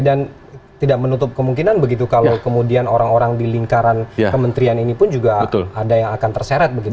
dan tidak menutup kemungkinan begitu kalau kemudian orang orang di lingkaran kementerian ini pun juga ada yang akan terseret begitu ya